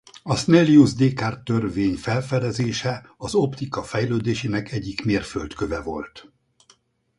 A Snellius–Descartes-törvény felfedezése az optika fejlődésének egyik mérföldköve volt.